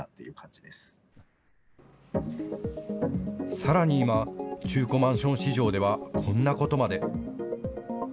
さらに今、中古マンション市場ではこんなことまで。